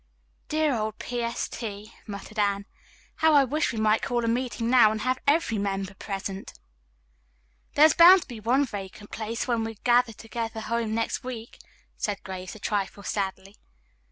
"Dear old P. S. T.," murmured Anne. "How I wish we might call a meeting now and have every member present." "There is bound to be one vacant place when we gather home next week," said Grace a trifle sadly.